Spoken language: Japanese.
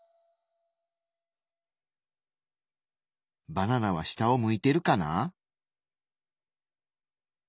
バナナは下を向いてるかな？